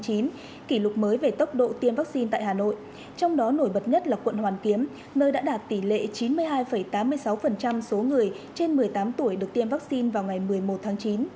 kỷ lục mới về tốc độ tiêm vaccine tại hà nội trong đó nổi bật nhất là quận hoàn kiếm nơi đã đạt tỷ lệ chín mươi hai tám mươi sáu số người trên một mươi tám tuổi được tiêm vaccine vào ngày một mươi một tháng chín